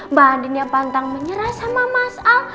mbak andin yang pantang menyerah sama mas al